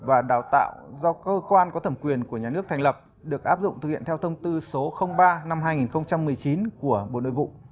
và đào tạo do cơ quan có thẩm quyền của nhà nước thành lập được áp dụng thực hiện theo thông tư số ba năm hai nghìn một mươi chín của bộ nội vụ